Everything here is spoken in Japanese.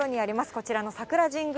こちらの桜神宮。